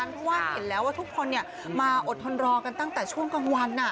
เพราะว่าเห็นแล้วว่าทุกคนมาอดทนรอกันตั้งแต่ช่วงกลางวัน